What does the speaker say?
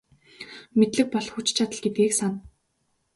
Мэдлэг бол хүч чадал гэдгийг сана.